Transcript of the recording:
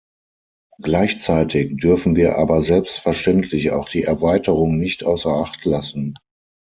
Gleichzeitig dürfen wir aber selbstverständlich auch die Erweiterung nicht außer Acht lassen.